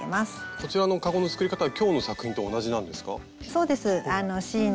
こちらのかごの作り方は今日の作品と同じなんですか？